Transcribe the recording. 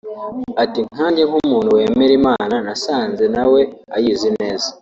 Ati “Nkanjye nk’umuntu wemera Imana nasanze na we ayizi neza